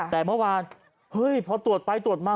แต่เมื่อวานเฮ้ยพอตรวจไปตรวจมา